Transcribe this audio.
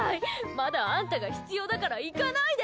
まだ、あんたが必要だから行かないで！